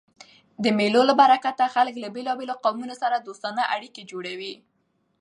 د مېلو له برکته خلک له بېلابېلو قومو سره دوستانه اړيکي جوړوي.